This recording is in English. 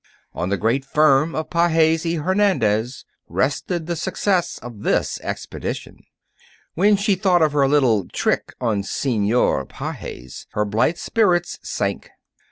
On the great firm of Pages y Hernandez rested the success of this expedition. When she thought of her little trick on Senor Pages, her blithe spirits sank.